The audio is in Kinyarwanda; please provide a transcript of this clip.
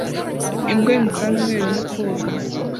Imbwa y'umukara n'umweru irimo koga